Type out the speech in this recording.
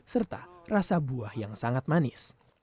serta rasa buah yang sangat manis